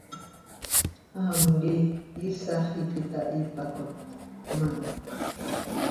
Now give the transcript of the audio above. Am quih iisax iiqui itahípacot, maanpx.